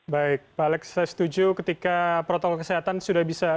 baik pak alex saya setuju ketika protokol kesehatan sudah bisa